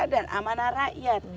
dan amanah rakyat